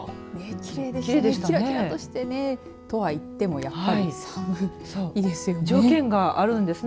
きらきらとして。とは言ってもやはり寒いですよね。